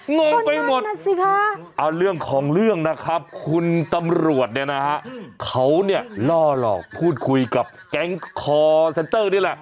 งงไปหมดนั่นสิคะเอาเรื่องของเรื่องนะครับคุณตำรวจเนี่ยนะฮะเขาเนี่ยล่อหลอกพูดคุยกับแก๊งคอร์เซ็นเตอร์นี่แหละ